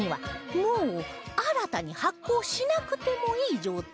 もう新たに発行しなくてもいい状態に